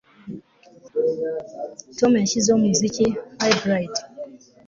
Tom yashyizeho umuziki Hybrid